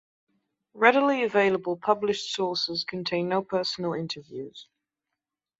Readily available published sources contain no personal interviews.